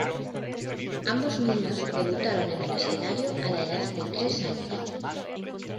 Ambos niños debutaron en el escenario a la edad de tres años.